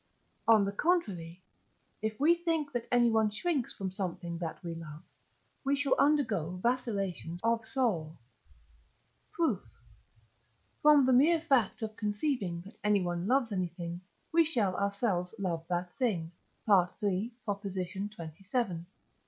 On the contrary, if we think that anyone shrinks from something that we love, we shall undergo vacillations of soul. Proof. From the mere fact of conceiving that anyone loves anything we shall ourselves love that thing (III. xxvii.)